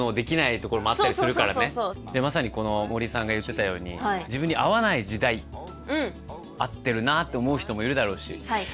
まさにこの森さんが言ってたように自分に合わない時代合ってるなって思う人もいるだろうし自分に合わねえな